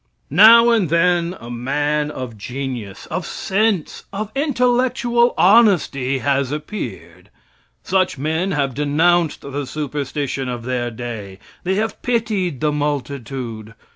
Now and then a man of genius, of sense, of intellectual honesty, has appeared. Such men have denounced the superstition of their day. They have pitied the multitude.